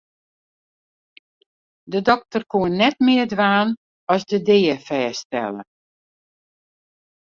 De dokter koe net mear dwaan as de dea fêststelle.